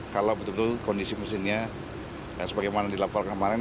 kalau betul betul kondisi mesinnya sebagaimana dilaporkan kemarin